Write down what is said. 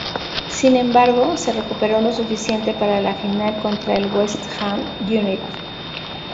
Sin embargo, se recuperó lo suficiente para la final contra el West Ham United.